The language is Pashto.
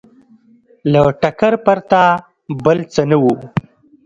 له ټکر پرته بل څه نه وو